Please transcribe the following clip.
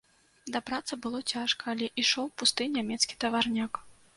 Дабрацца было цяжка, але ішоў пусты нямецкі таварняк.